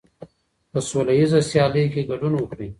په سوله ییزه سیالۍ کې ګډون وکړئ.